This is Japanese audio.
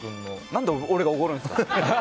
何で、俺がおごるんですか。